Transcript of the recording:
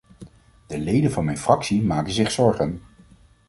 De leden van mijn fractie maken zich zorgen.